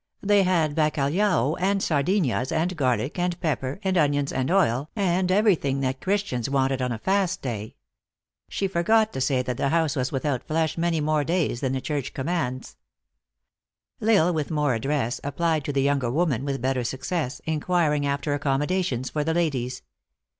They had bacalhao and sardinhas, and garlic, and pepper, and onions, and oil, and everything that Christians Wanted on a fast day. She forgot to say that the house was without flesh many more days than the church commands. L Isle, THE ACTRESS IN HIGH LIFE. 139 with more address, applied to the younger woman with better success, inquiring after accommodations for the ladies.